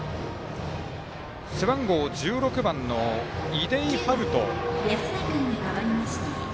背番号１６番の出井悠翔。